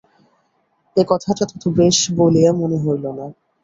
এ কথাটা তত বেশ বলিয়া মনে হইল না।